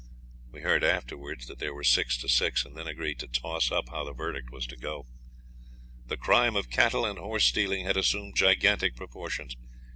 (We heard afterwards that they were six to six, and then agreed to toss up how the verdict was to go.) 'The crime of cattle and horse stealing had assumed gigantic proportions.